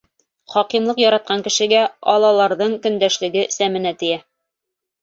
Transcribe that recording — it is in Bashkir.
Хакимлыҡ яратҡан кешегә Алаларҙың көндәшлеге сәменә тейә.